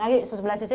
lagi sebelah sisi